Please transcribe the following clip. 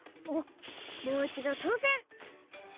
もういちどちょうせん！